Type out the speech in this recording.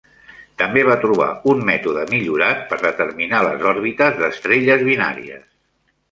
També va trobar un mètode millorat per determinar les òrbites d'estrelles binàries.